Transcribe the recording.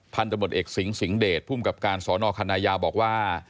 พันธุบัตรเอกสิงศ์สิงศ์เดชผู้มกับการสอนอคันนายาวบอกว่า